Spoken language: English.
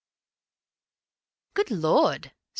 "Good Lord!